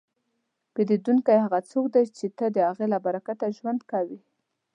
پیرودونکی هغه څوک دی چې ته د هغه له برکته ژوند کوې.